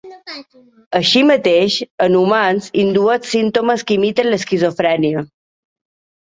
Així mateix, en humans indueix símptomes que imiten l'esquizofrènia.